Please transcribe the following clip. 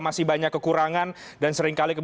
masih banyak kekurangan dan seringkali